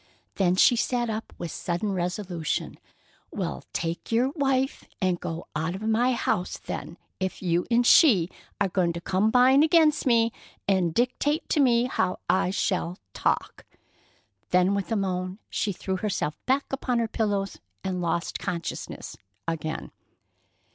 Then she sat up with sudden resolution. "Well, take your wife and go out of my house, then, if you and she are going to combine against me, and dictate to me how I shall talk!" Then with a moan she threw herself back upon her pillows and lost consciousness again.